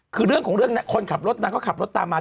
คือเรื่องของเรื่องคนขับรถนางก็ขับรถตามมา